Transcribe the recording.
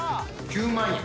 ９万円。